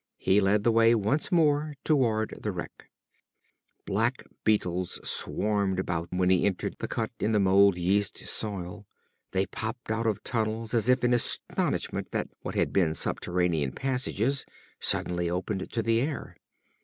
He led the way once more toward the wreck. Black beetles swarmed about when he entered the cut in the mould yeast soil. They popped out of tunnels as if in astonishment that what had been subterranean passages suddenly opened to the air.